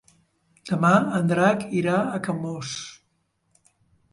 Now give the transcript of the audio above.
Demà en Drac irà a Camós.